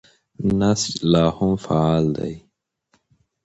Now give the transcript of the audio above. نسج لا هم فعال دی.